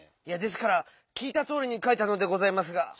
いやですからきいたとおりにかいたのでございますが。